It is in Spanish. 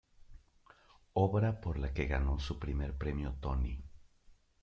Obra por la que ganó su primer premio Tony.